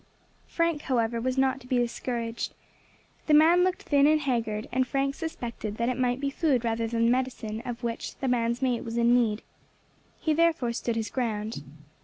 Frank, however, was not to be discouraged. The man looked thin and haggard, and Frank suspected that it might be food rather than medicine of which the man's mate was in need. He therefore stood his ground.